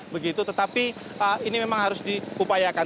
begitu tetapi ini memang harus diupayakan